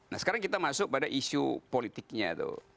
nah sekarang kita masuk pada isu politiknya tuh